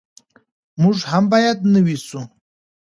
موږ هم باید نوي سو.